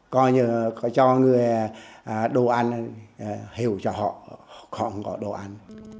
coi như có cho người đồ ăn hiểu cho họ họ không có đồ ăn